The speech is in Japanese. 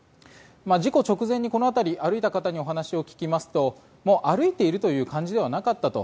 事故直前にこの辺りを歩いた方にお話を聞きますと歩いているという感じではなかったと。